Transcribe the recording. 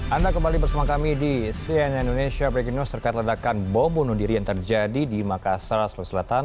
anda kembali bersama kami di cnn indonesia breaking news terkait ledakan bom bunuh diri yang terjadi di makassar sulawesi selatan